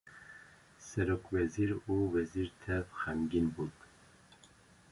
serokwezir û wezîr tev xemgîn bûn